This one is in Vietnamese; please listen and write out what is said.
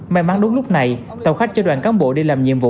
may mắn đúng lúc này tàu khách cho đoàn cán bộ đi làm nhiệm vụ